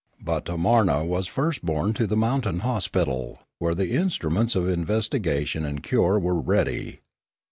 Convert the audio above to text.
But Tamarna was first borne to the mountain hospital, where the instruments of investigation and cure were ready.